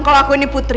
kalau aku ini putri